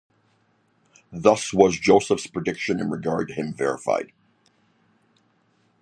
Thus was Joseph's prediction in regard to him verified.